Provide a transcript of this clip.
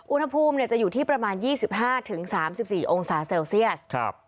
อุณหภูมิจะอยู่ที่ประมาณ๒๕๓๔องศาเซลเซียส